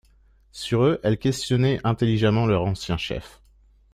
Sur eux, elle questionnait intelligemment leur ancien chef.